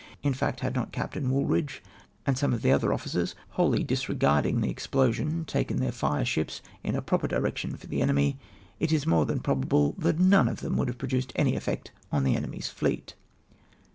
... In fact, had not Captain Wooldridge and some of the other officers, wholly disregarding the explosion, taken their fire ships in a proper direction for the enemy, it is more than probable that none of them vjould have produced any effect on the enemy s fleet.''''